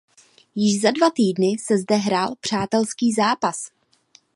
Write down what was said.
Již za dva týdny se zde hrál přátelský zápas.